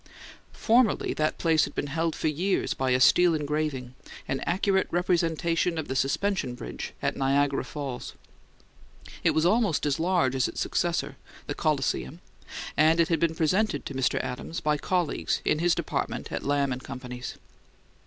Formerly that place had been held for years by a steel engraving, an accurate representation of the Suspension Bridge at Niagara Falls. It was almost as large as its successor, the "Colosseum," and it had been presented to Mr. Adams by colleagues in his department at Lamb and Company's.